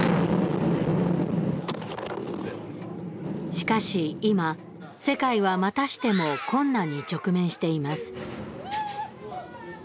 しかし今世界はまたしても困難に直面しています。